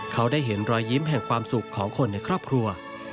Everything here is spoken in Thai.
เขาได้เห็นรอยยิ้มแห่งความสุขของคนในครอบครัว